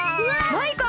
マイカ！